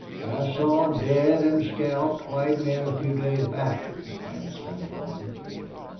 "I saw dead an' scalped white men a few days back," replied Slingerland.